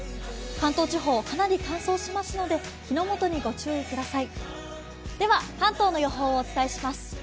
関東地方かなり乾燥しますので、火の元にご注意ください。